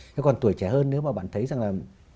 thế còn tuổi trẻ hơn nếu mà bạn thấy rằng là